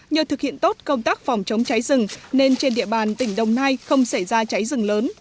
nhờ thực hiện tốt công tác phòng chống cháy rừng nên trên địa bàn tỉnh đồng nai không xảy ra cháy rừng lớn